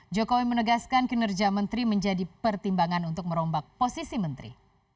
jokowi menegaskan kinerja menteri menjadi pertimbangan untuk merombak posisi menteri